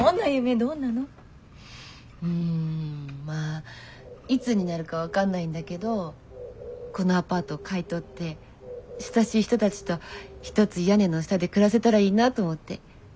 うんまぁいつになるか分かんないんだけどこのアパートを買い取って親しい人たちと一つ屋根の下で暮らせたらいいなぁと思って。